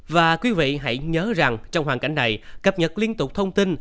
và quý vị hãy nhớ rằng trong hoàn cảnh này cập nhật liên tục thông tin